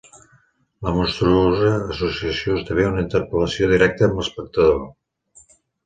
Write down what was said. La monstruosa associació esdevé una interpel·lació directa amb l’espectador.